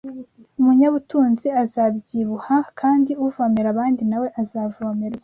Umunyabuntu azabyibuha, kandi uvomera abandi na we azavomerwa